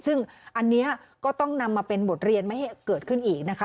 ซึ่งอันนี้ก็ต้องนำมาเป็นบทเรียนไม่ให้เกิดขึ้นอีกนะคะ